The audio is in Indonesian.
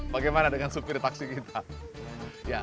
bagaimana dengan supir taksi kita